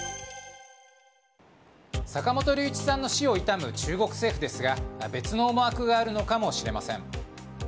坂本龍一さんの死を悼む中国政府ですが別の思惑があるのかもしれません。